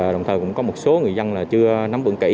đồng thời cũng có một số người dân là chưa nắm vững kỹ